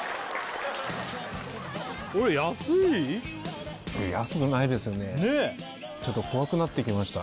これ安い？安くないですよねねえちょっと怖くなってきました